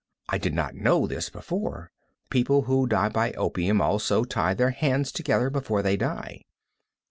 I did not know this before. People who die by opium also tie their hands together before they die.